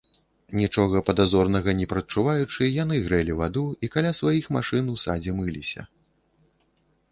Нічога падазронага не прадчуваючы, яны грэлі ваду і каля сваіх машын у садзе мыліся.